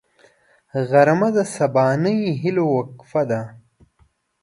غرمه د سبانۍ هيلو وقفه ده